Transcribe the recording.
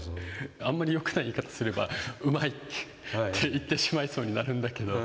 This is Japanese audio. あんまりよくない言い方すればうまいって言ってしまいそうになるんだけど。